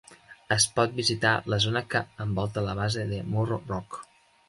Es pot visitar la zona que envolta la base de Morro Rock.